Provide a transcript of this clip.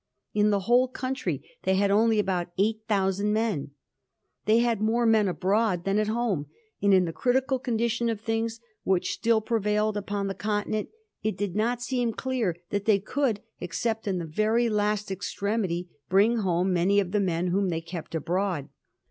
In the whole country they had only about eight thousand men. They had more men abroad than at home, and in the critical condition of things which still pre vailed upon the Continent, it did not seem clear that they could, except in the very last extremity, bring home many of the men whom they kept abroad.